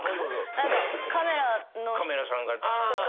何かカメラのとか。